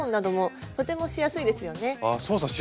操作しやすいですよね。